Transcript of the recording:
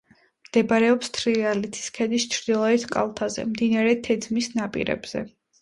მდებარეობს თრიალეთის ქედის ჩრდილოეთ კალთაზე, მდინარე თეძმის ნაპირებზე.